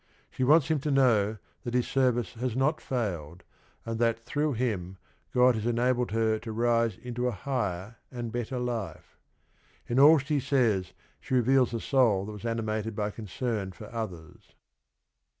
She wants him to know that his service has not failed, and that through him God has enabled her to rise into a higher and better life. In all she says she reveals a soul that was animated by concern for others.